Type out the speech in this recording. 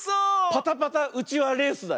パタパタうちわレースだよ。